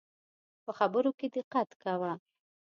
په خبرو کي دقت کوه